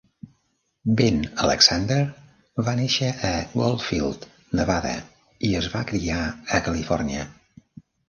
Ben Alexander va néixer a Goldfield (Nevada) i es va criar a Califòrnia.